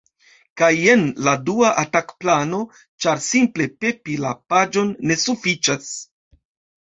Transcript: Kaj jen la dua atak-plano ĉar simple pepi la paĝon ne sufiĉas